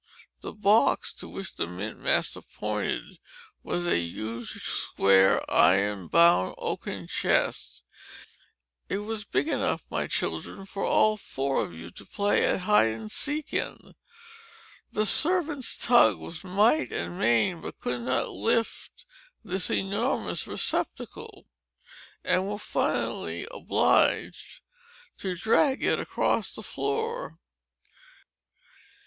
The box, to which the mint master pointed, was a huge, square, iron bound, oaken chest; it was big enough, my children, for all four of you to play at hide and seek in. The servants tugged with might and main, but could not lift this enormous receptacle, and were finally obliged to drag it across the floor.